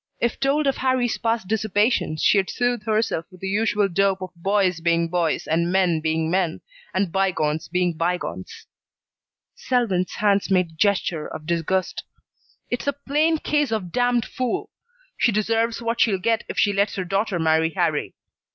If told of Harrie's past dissipations, she'd soothe herself with the usual dope of boys being boys, and men being men, and bygones being bygones." Selwyn's hands made gesture of disgust. "It's a plain case of damned fool. She deserves what she'll get if she lets her daughter marry Harrie.